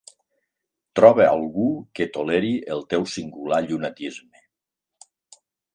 Troba algú que toleri el teu singular llunatisme.